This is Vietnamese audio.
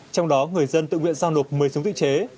trong đó người dân tự nguyện giao nộp một mươi súng tự chế